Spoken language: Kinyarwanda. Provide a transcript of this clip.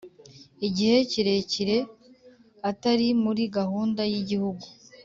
igihe kirekire atari muri gahunda y Igihugu